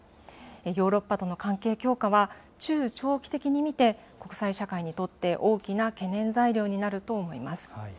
ヨーロッパとの関係強化は、中長期的に見て国際社会にとって大きな懸念材料になると思います。